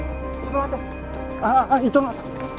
ああああ糸村さん。